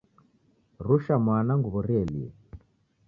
Rusha mwana nguw'o rielie.